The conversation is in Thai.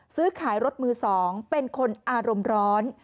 ซื้อขายรถมือ๒เป็นคนอารมณ์ร้อน